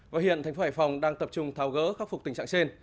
và hiện thành phố hải phòng đang tập trung tháo gỡ khắc phục tình trạng trên